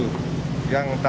yang tetap di banjarmasin